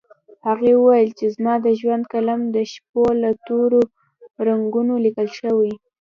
هغې وويل چې زما د ژوند قلم د شپو له تورو رګونو ليکل کوي